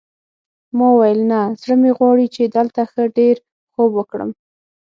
ما وویل نه زړه مې غواړي چې دلته ښه ډېر خوب وکړم.